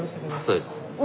そうです。